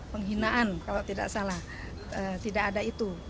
penghinaan kalau tidak salah tidak ada itu